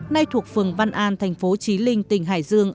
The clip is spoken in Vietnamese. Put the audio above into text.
nay thuộc phường văn an thành phố trí linh tỉnh hải dương